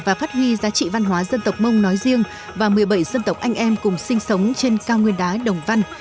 và phát huy giá trị văn hóa dân tộc mông nói riêng và một mươi bảy dân tộc anh em cùng sinh sống trên cao nguyên đá đồng văn